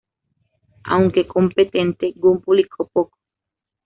Aunque competente, Gunn publicó poco.